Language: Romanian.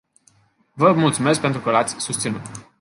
Vă mulțumesc pentru că l-ați susținut.